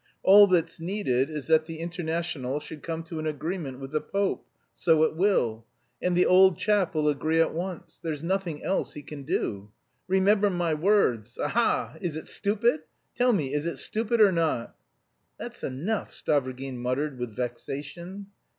All that's needed is that the Internationale should come to an agreement with the Pope; so it will. And the old chap will agree at once. There's nothing else he can do. Remember my words! Ha ha! Is it stupid? Tell me, is it stupid or not?" "That's enough!" Stavrogin muttered with vexation.